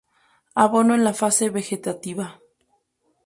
Abono en la fase vegetativa.